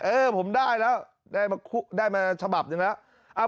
เออผมได้แล้วได้มาฉบับหนึ่งแล้ว